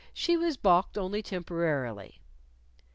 She was balked only temporarily.